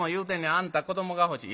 『あんた子どもが欲しい』。